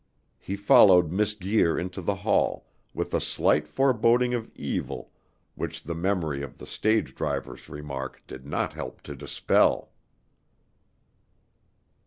He followed Miss Guir into the hall, with a slight foreboding of evil which the memory of the stage driver's remark did not help to dispel.